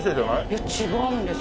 いや違うんです。